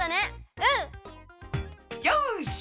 うん！よし！